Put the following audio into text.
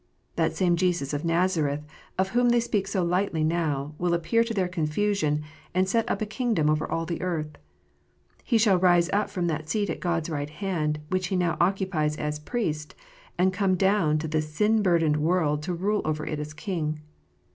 That same Jesus of Nazareth of whom they speak so lightly now, will appear to their confusion, and set up a kingdom over all the earth. He shall rise up from that seat at God s right hand, which He now occupies as Priest, and come down to this sin burdened world to rule over it as King.